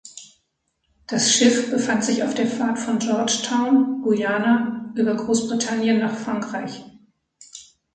Das Schiff befand sich auf der Fahrt von Georgetown (Guyana) über Großbritannien nach Frankreich.